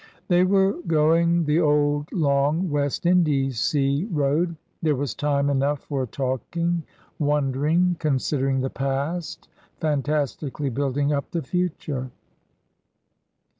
They were going the old, long West Indies sea road. There was time enough for talking, wonder ing, considering the past, fantastically building up the future.